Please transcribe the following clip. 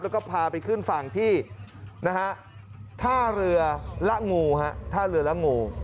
แล้วก็พาไปขึ้นฝั่งที่นะฮะท่าเรือละงูฮะท่าเรือละงู